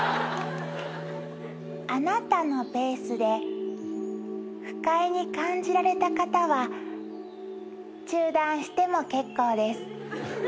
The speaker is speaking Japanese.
あなたのペースで不快に感じられた方は中断しても結構です。